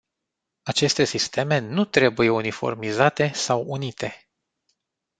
Aceste sisteme nu trebuie uniformizate sau unite.